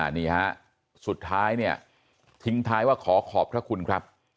นี่ฮะสุดท้ายเนี่ยทิ้งท้ายว่าขอขอบพระคุณครับ